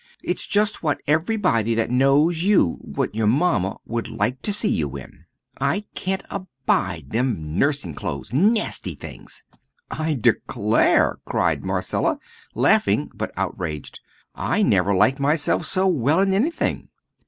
"It's just what everybody that knows you what your mamma would like to see you in. I can't abide them nursin' clothes nasty things!" "I declare!" cried Marcella, laughing, but outraged; "I never like myself so well in anything."